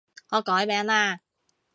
我改名嘞